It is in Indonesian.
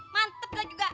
mantep gak juga